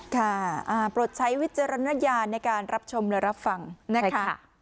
ค่ะโปรดใช้วิจารณญาณในการรับชมและรับฟังนะคะ